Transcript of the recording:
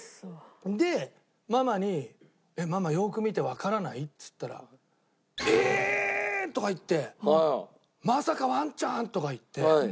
でママに「ママよーく見てわからない？」っつったら「えーっ！？」とか言って「まさかワンちゃん！？」とか言って。